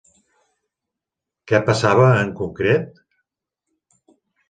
Què passava en concret?